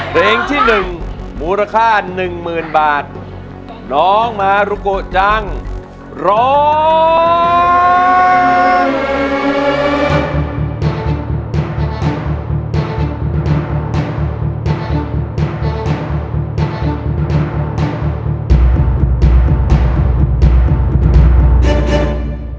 เพลงที่หนึ่งมูลค่าหนึ่งหมื่นบาทน้องมารุโกจังร้อง